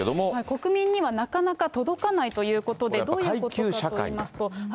国民にはなかなか届かないということで、どういうことかとい階級社会だ。